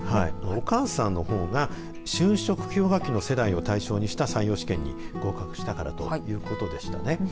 お母さんのほうが就職氷河期の世代を対象にした採用試験に合格したからということでしたね。